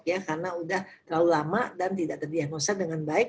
karena sudah terlalu lama dan tidak terdiagnosa dengan baik